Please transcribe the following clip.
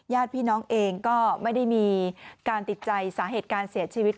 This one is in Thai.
ญาติพี่น้องเองก็ไม่ได้มีการติดใจสาเหตุการเสียชีวิต